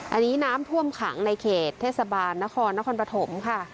อันนี้น้ำท่วมขังในเขตเทศบาลนครนครปฐมค่ะ